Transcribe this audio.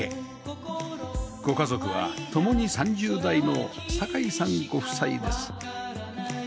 ご家族は共に３０代の堺さんご夫妻です